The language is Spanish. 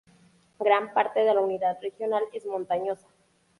Gran parte de la unidad regional es montañosa.